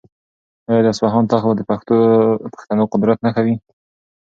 آیا د اصفهان تخت به د پښتنو د قدرت نښه وي؟